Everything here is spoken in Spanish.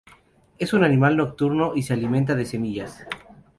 Es un animal nocturno, y se alimenta de semillas.